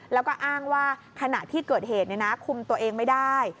แล้วก็อ้างว่าขณะที่เกิดเหตุคุมตัวเองไม่ได้